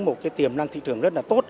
một cái tiềm năng thị trường rất là tốt